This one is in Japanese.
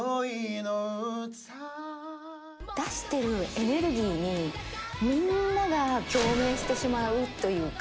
出してるエネルギーにみんなが共鳴してしまうというか。